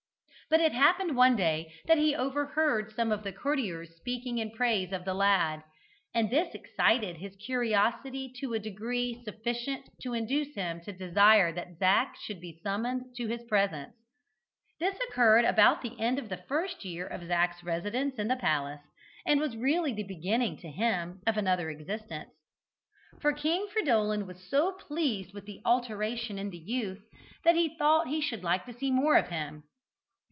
But it happened one day that he overheard some of the courtiers speaking in praise of the lad, and this excited his curiosity to a degree sufficient to induce him to desire that Zac should be summoned to his presence. This occurred about the end of the first year of Zac's residence in the palace, and was really the beginning to him of another existence. For King Fridolin was so pleased with the alteration in the youth, that he thought he should like to see more of him.